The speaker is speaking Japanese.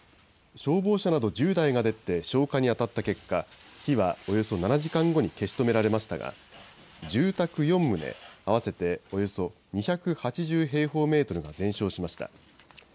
消防車など１０台が出て消火に当たった結果、火はおよそ７時間後に消し止められましたが、住宅４棟、合わせておよそ２８０平方メートルが全焼しました。